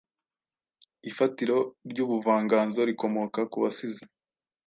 Ifatiro ryubavanganzo rikomoka kubasizi